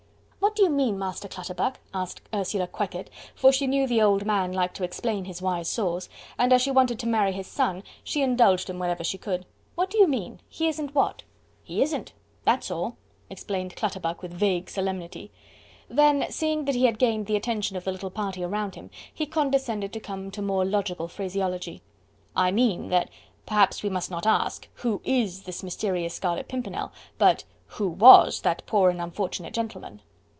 "What do you mean, Master Clutterbuck?" asked Ursula Quekett, for she knew the old man liked to explain his wise saws, and as she wanted to marry his son, she indulged him whenever she could. "What do you mean? He isn't what?" "He isn't. That's all," explained Clutterbuck with vague solemnity. Then seeing that he had gained the attention of the little party round him, he condescended to come to more logical phraseology. "I mean, that perhaps we must not ask, 'who IS this mysterious Scarlet Pimpernel?' but 'who WAS that poor and unfortunate gentleman?'"